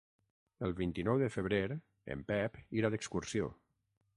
El vint-i-nou de febrer en Pep irà d'excursió.